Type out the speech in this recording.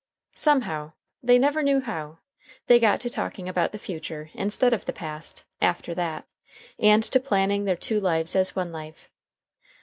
... Somehow, they never knew how, they got to talking about the future instead of the past, after that, and to planning their two lives as one life.